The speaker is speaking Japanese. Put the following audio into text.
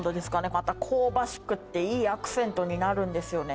また香ばしくっていいアクセントになるんですよね。